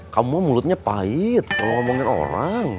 kamu mulutnya pahit kalau ngomongin orang